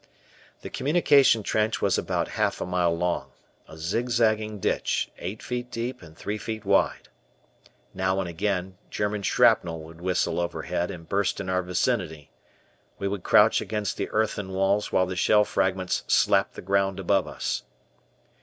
The communication trench was about half a mile long, a zigzagging ditch, eight feet deep and three feet wide. Now and again, German shrapnel would whistle overhead and burst in our vicinity. We would crouch against the earthen walls while the shell fragments "slapped" the ground above us.